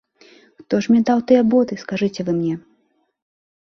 А хто ж мне даў тыя боты, скажыце вы мне?